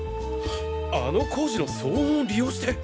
あの工事の騒音を利用して！